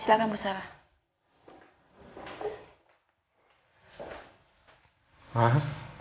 silahkan bu sarah